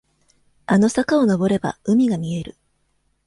あの坂をのぼれば、海が見える。